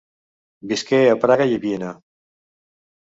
Visqué a Praga i Viena.